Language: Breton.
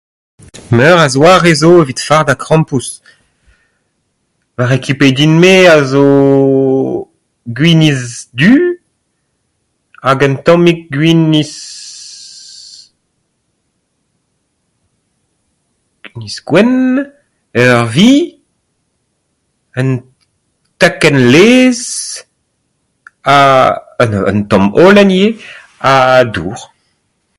Meur a zoare zo evit fardañ krampouezh. Va rekipe din-me a zo gwinizh du hag un tammig gwinizh gwenn, un vi, un dakenn laezh, un tamm holen ivez ha dour.